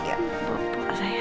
kecuali masih bisa